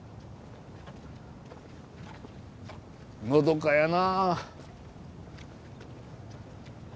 のどかやな。